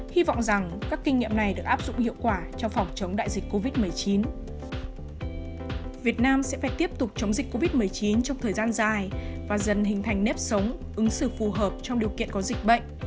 hy vọng rằng các kinh nghiệm này được áp dụng được